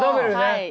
はい。